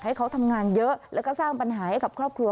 ให้เขาทำงานเยอะแล้วก็สร้างปัญหาให้กับครอบครัว